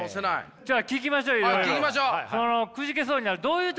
じゃあ聞きましょういろいろ。